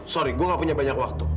sorry gue gak punya banyak waktu